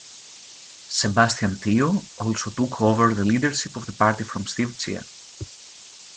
Sebastian Teo also took over the leadership of the party from Steve Chia.